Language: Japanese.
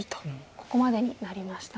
ここまでになりました。